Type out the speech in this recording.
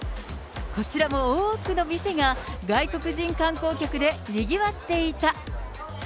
こちらも多くの店が外国人観光客でにぎわっていた。